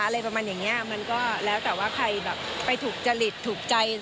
อะไรประมาณอย่างนี้มันก็แล้วแต่ว่าใครแบบไปถูกจริตถูกใจ